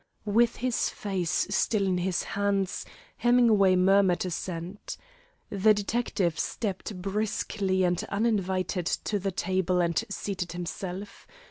With his face still in his hands, Hemingway murmured assent. The detective stepped briskly and uninvited to the table and seated himself.